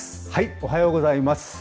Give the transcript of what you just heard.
おはようございます。